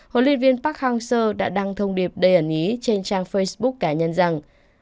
huấn luyện viên park hang seo đã đăng thông điệp đầy ẩn ý trên trang facebook cá nhân rằng